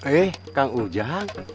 eh kang ujang